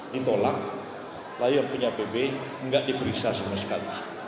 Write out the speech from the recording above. ditolak layak punya pb enggak diperiksa sama sekali